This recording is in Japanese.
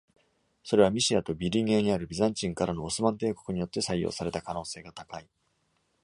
それはミシアとビテュニアにあるビザンチンからのオスマン帝国によって採用された可能性が高い。